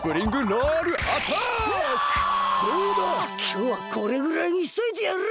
きょうはこれぐらいにしといてやる！